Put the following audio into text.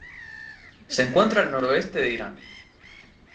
Se encuentra al noroeste de Irán.